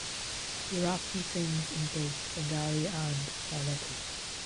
He raps and sings in both Bengali and Sylheti.